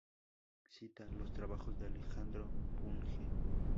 Cita los trabajos de Alejandro Bunge.